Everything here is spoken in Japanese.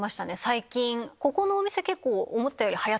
最近。